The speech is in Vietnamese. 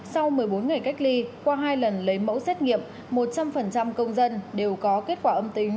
sau một mươi bốn ngày cách ly qua hai lần lấy mẫu xét nghiệm một trăm linh công dân đều có kết quả âm tính